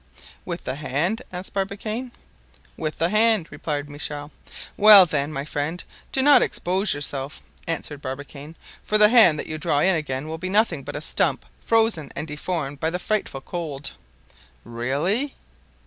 "With the hand?" asked Barbicane. "With the hand," replied Michel. "Well, then, my friend, do not expose yourself," answered Barbicane, "for the hand that you draw in again will be nothing but a stump frozen and deformed by the frightful cold." "Really!"